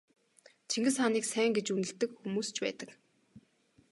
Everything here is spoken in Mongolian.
Чингис хааныг сайн гэж үнэлдэг хүмүүс ч байдаг.